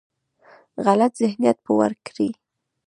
غلط ذهنیت به ورکړي.